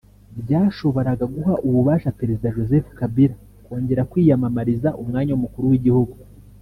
ryashoboraga guha ububasha Perezida Joseph Kabila kongera kwiyamamariza umwanya w’umukuru w’igihugu